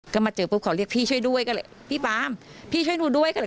เขาเรียกมาถึงเข้ามาดูไงวะ